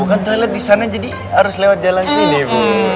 bukan toilet di sana jadi harus lewat jalan sini